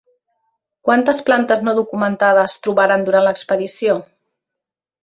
Quantes plantes no documentades trobaren durant l'expedició?